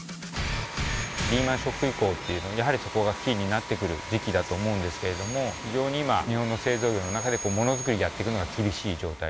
リーマン・ショック以降やはりそこがキーになってくる時期だと思うんですけれども非常に今日本の製造業の中でものづくりやってくのが厳しい状態。